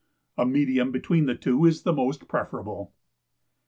A medium between the two is the most preferable.